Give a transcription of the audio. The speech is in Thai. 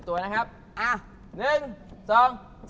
อ่อมันตกได้ยังไงอ่ะ